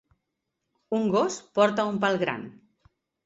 Un gos porta un pal gran.